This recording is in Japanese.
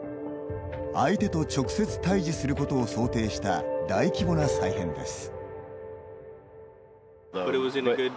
相手と直接対じすることを想定した大規模な再編です。